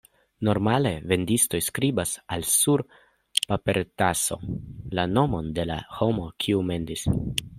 Normale vendistoj skribas al sur papertaso la nomon de la homo, kiu mendis.